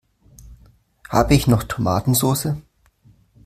Habe ich noch Tomatensoße?